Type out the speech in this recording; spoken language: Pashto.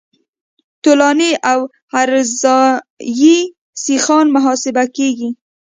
طولاني او عرضاني سیخان محاسبه کیږي